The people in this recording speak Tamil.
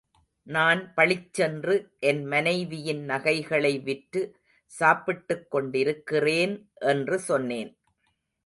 நான் பளிச்சென்று, என் மனைவியின் நகைகளை விற்று சாப்பிட்டுக் கொண்டிருக்கிறேன் என்று சொன்னேன்.